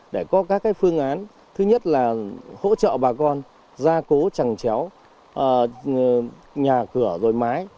để có các phương án thứ nhất là hỗ trợ bà con gia cố chẳng chéo nhà cửa rồi mái